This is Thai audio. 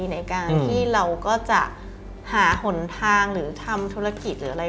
ในการที่เราก็จะหาหนทางหรือทำธุรกิจหรืออะไร